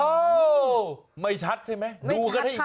อ้าโฮไม่ชัดใช่ไหมดูก็ได้อีกที